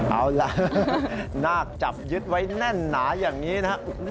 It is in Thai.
เอาล่ะนาคจับยึดไว้แน่นหนาอย่างนี้นะครับ